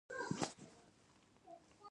خپل د مینې د مذهب لپاره تبلیغ پیل کړ.